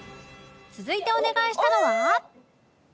続いてお願いしたのは